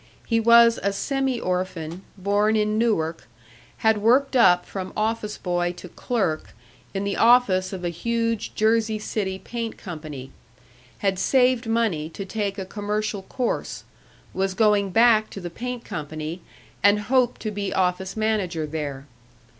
He was a semi orphan, born in Newark; had worked up from office boy to clerk in the office of a huge Jersey City paint company; had saved money to take a commercial course; was going back to the paint company, and hoped to be office manager there.